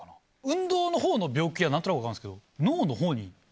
運動のほうの病気は何となく分かるんですけど。